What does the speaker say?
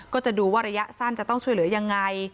ก็จะดูว่าระยะสั้นจะต้องช่วยเหลือยังไง